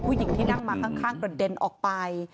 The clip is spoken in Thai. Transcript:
หญิงที่นั่งมาข้างกระเด็นออกไป